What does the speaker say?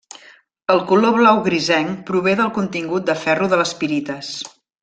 El color blau grisenc prové del contingut de ferro de les pirites.